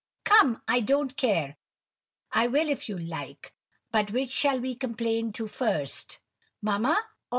Come, I don't care; I will if you like. But which shall we complain to first, mamma, or the maids?"